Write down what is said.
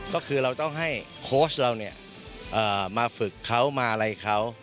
ก็คือเราต้องให้โค้ชเรามาฝึกเขามาอะไรเขา